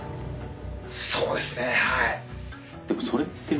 「そうですねはい」